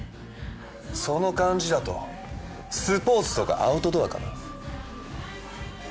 その感じだとスポーツとかアウトドアかな？